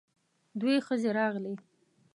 دوې ښځې راغلې.